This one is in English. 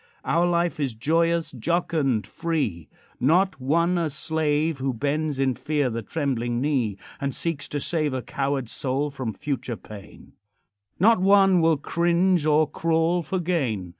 Our life is joyous, jocund, free Not one a slave Who bends in fear the trembling knee, And seeks to save A coward soul from future pain; Not one will cringe or crawl for gain.